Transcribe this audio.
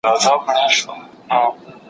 هغه غوښتل چي ږغ يې واورېدل سي.